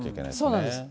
そうなんです。